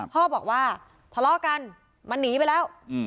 พ่อบอกว่าทะเลาะกันมันหนีไปแล้ว